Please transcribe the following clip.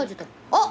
あっ！